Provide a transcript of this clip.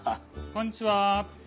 こんにちは。